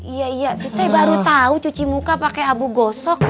iya iya saya baru tahu cuci muka pakai abu gosok